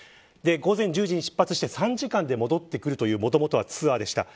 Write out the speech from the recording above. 午前１０時に出発して３時間で戻ってくるというもともとのツアーでした。